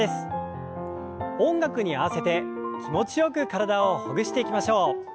音楽に合わせて気持ちよく体をほぐしていきましょう。